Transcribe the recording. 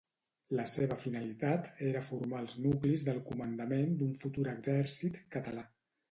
La seva finalitat era formar els nuclis del comandament d'un futur exèrcit català.